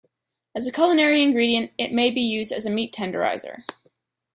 As a culinary ingredient, it may be used as a meat tenderizer.